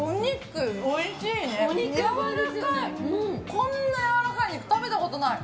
こんなやわらかい肉食べたことない。